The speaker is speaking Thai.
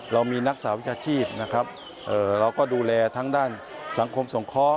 เรามีนักสาววิชาชีพเราก็ดูแลทั้งด้านสังคมส่งค้อ